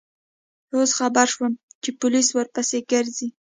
اوس خبر شوم چې پولیس ورپسې گرځي.